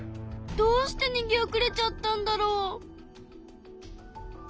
どうしてにげおくれちゃったんだろう？